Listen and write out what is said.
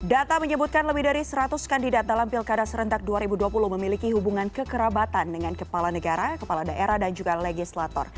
data menyebutkan lebih dari seratus kandidat dalam pilkada serentak dua ribu dua puluh memiliki hubungan kekerabatan dengan kepala negara kepala daerah dan juga legislator